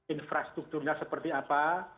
infrastrukturnya seperti apa